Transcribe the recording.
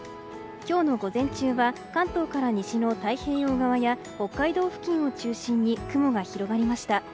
今日の午前中は関東から西の太平洋側や北海道付近を中心に雲が広がりました。